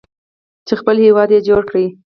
چې خپل هیواد یې جوړ کړ.